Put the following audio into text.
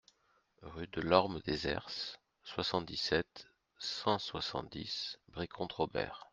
Rue de l'Orme des Herses, soixante-dix-sept, cent soixante-dix Brie-Comte-Robert